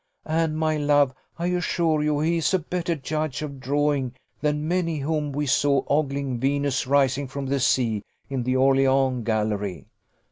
And, my love, I assure you he is a better judge of drawing than many whom we saw ogling Venus rising from the sea, in the Orleans gallery.